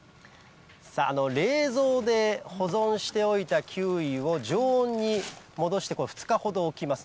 冷蔵で保存しておいたキウイを常温に戻して２日ほど置きます。